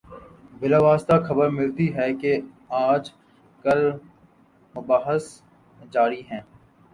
بالواسطہ خبر ملتی ہے کہ آج کل کیا مباحث جاری ہیں۔